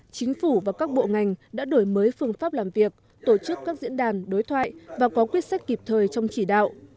chính phủ và các bộ ngành đã đổi mới phương pháp làm việc tổ chức các diễn đàn đối thoại và có quyết sách kịp thời trong chỉ đạo